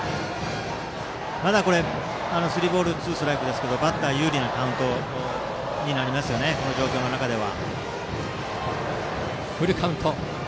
まだスリーボールツーストライクですけどバッター有利なカウントこの状況では。